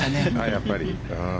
やっぱり。